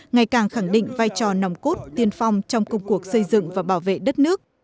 ngày càng khẳng định vai trò nòng cốt tiên phong trong công cuộc xây dựng và bảo vệ đất nước